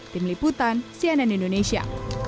tim liputan cnn indonesia